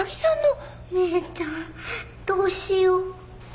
お姉ちゃんどうしよう。